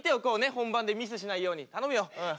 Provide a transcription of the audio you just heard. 本番でミスしないように頼むようん。